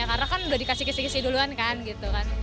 karena kan udah dikasih kisih kisih duluan kan gitu kan